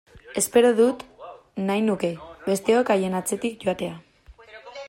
Espero dut, nahi nuke, besteok haien atzetik joatea!